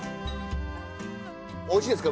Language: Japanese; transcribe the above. おいしいですか？